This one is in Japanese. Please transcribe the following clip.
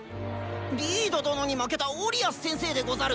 リード殿に負けたオリアス先生でござる！